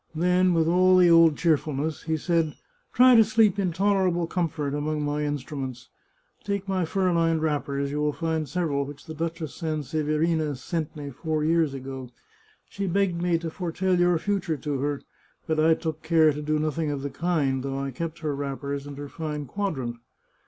Then, with all the old cheerfulness, he said :" Try to sleep in tolerable comfort among my instruments. Take my fur lined wrappers; you will find several which the Duchess Sanseverina sent me four years ago. She begged me to foretell your future to her, but I took care to do nothing of the kind, though I kept her wrappers and her fine quad rant.